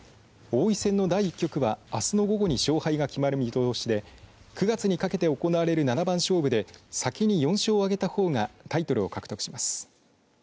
王位戦の第１局はあすの午後に勝敗が決まる見通しで９月にかけて行われる七番勝負で先に４勝をあげたほうがタイトルを獲得します。